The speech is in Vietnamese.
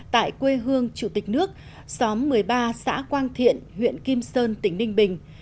tại quê hương chủ tịch nước xóm một mươi ba xã quang thiện huyện kim sơn tỉnh ninh bình